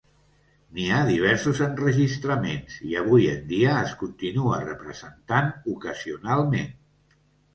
N'hi ha diversos enregistraments, i avui en dia es continua representant ocasionalment.